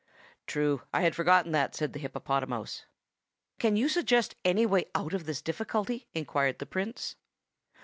"True. I had forgotten that," said the hippopotamouse. "Can you suggest any way out of the difficulty?" inquired the Prince.